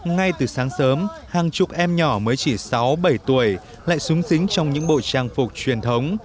ngay từ sáng sớm hàng chục em nhỏ mới chỉ sáu bảy tuổi lại súng dính trong những bộ trang phục truyền thống